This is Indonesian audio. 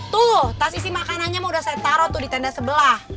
tuh tas isi makanannya mau udah saya taruh tuh di tenda sebelah